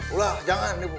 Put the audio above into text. ulah jangan ibu